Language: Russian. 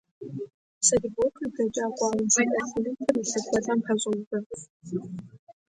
Саревок, вампир с трагическим прошлым, борется со своей жаждой крови.